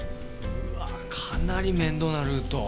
うわかなり面倒なルート。